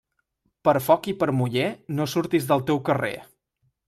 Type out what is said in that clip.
Per foc i per muller, no surtis del teu carrer.